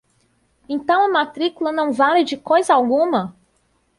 Então a matrícula não vale de coisa alguma?